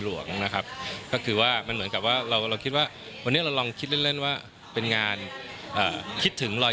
หลากหลายครับหลากหลายศิลปินต่าง